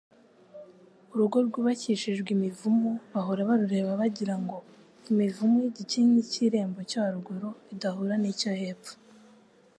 Urugo rwubakishijwe imivumu bahora barureba bagirango imivumu y’igikingi cy’irembo cyo haruguru idahura n’icyo hepfo,